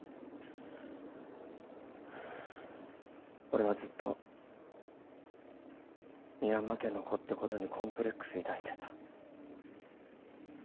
俺はずっと深山家の子ってことにコンプレックス抱いてた。